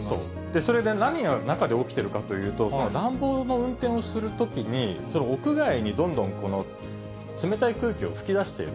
それで何が中で起きてるかというと、暖房の運転をするときに、屋外にどんどん冷たい空気を吹き出している。